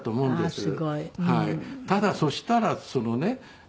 ただそしたらそのね